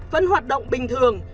vẫn hoạt động bình thường